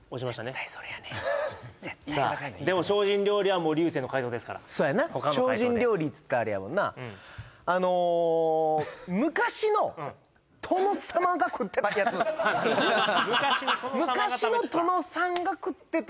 絶対それやねんでも精進料理はもうリュウセイの解答ですからそやな精進料理っつったらあれやもんなあの昔の殿様が食ってたやつ昔の殿様が食べた？